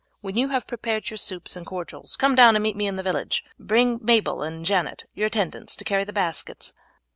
When you have prepared your soups and cordials come down and meet me in the village, bringing Mabel and Janet, your attendants, to carry the baskets."